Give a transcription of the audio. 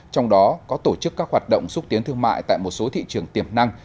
trong đó có tổ chức các hoạt động xúc tiến thương mại tại một số thị trường tiềm năng